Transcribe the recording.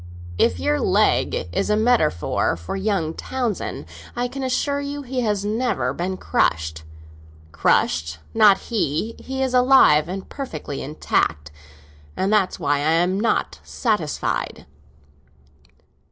"If your leg is a metaphor for young Townsend, I can assure you he has never been crushed. Crushed? Not he! He is alive and perfectly intact, and that's why I am not satisfied."